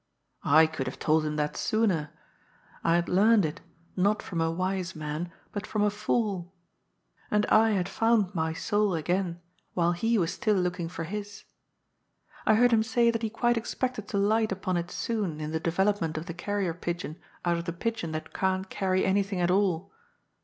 I could have told him that sooner. I had learned it, not from a wise man but from a fool. And I had found my soul again, while he was still looking for his. I heard him say that he quite expected to light upon it soon in the development of the carrier pigeon out of the pigeon that can't carry anything at all.